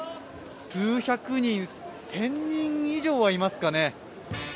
９００人、１０００人以上はいますかね